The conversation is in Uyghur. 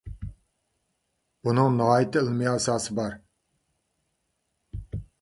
بۇنىڭ ناھايىتى ئىلمىي ئاساسى بار.